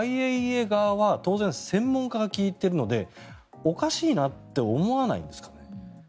ＩＡＥＡ側は当然、専門家が聞いているのでおかしいなと思わないんですか？